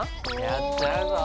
やっちゃうぞ！